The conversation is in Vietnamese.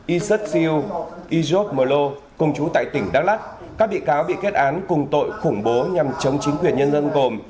isat siu ijok merlo cùng chú tại tỉnh đắk lắc các bị cáo bị kết án cùng tội khủng bố nhằm chống chính quyền nhân dân gồm